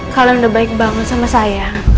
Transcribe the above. kalau udah baik banget sama saya ya